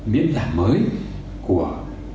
miễn giảm mới của